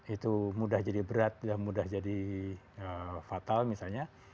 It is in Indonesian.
itu mudah jadi berat mudah jadi fatal misalnya